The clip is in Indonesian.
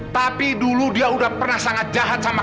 tapi dulu dia udah pernah sangat jahat sama